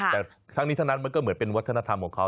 แต่ทั้งนี้ทั้งนั้นมันก็เหมือนเป็นวัฒนธรรมของเขา